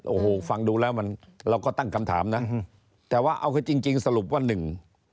โอ้โหฟังดูแล้วมันเราก็ตั้งคำถามนะแต่ว่าเอาคือจริงจริงสรุปว่าหนึ่ง